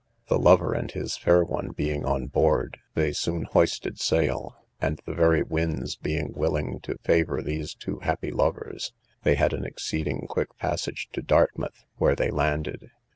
The lover and his fair one being on board, they soon hoisted sail, and the very winds being willing to favour these two happy lovers, they had an exceeding quick passage to Dartmouth, where they landed.